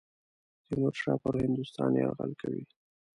تیمورشاه پر هندوستان یرغل کوي.